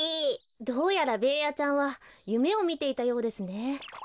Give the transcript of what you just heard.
どうやらベーヤちゃんはゆめをみていたようですね。